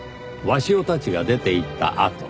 鷲尾たちが出ていったあと。